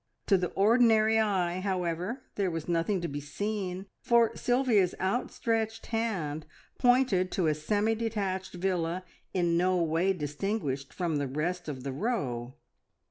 To the ordinary eye, however, there was nothing to be seen, for Sylvia's outstretched hand pointed to a semi detached villa in no way distinguished from the rest of the row.